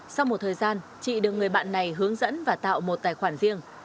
sau một thời gian chị được người bạn này hướng dẫn và tạo một tài khoản riêng